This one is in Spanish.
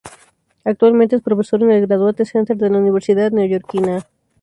Actualmente, es profesor en el Graduate Center de la universidad neoyorkina.